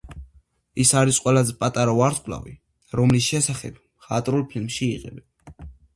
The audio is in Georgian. ის არის ყველაზე პატარა ვარსკვლავი, რომლის შესახებ მხატვრულ ფილმს იღებენ.